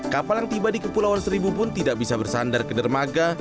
kapal yang tiba di kepulauan seribu pun tidak bisa bersandar ke dermaga